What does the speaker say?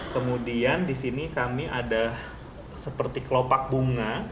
kemudian di sini kami ada seperti kelopak bunga